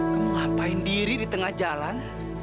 kamu ngapain diri di tengah jalan